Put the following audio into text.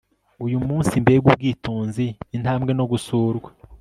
Uyu munsi mbega ubwitonzi intambwe no gusurwa